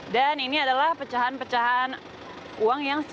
dan ini adalah pecahan pecahan uang yang selesai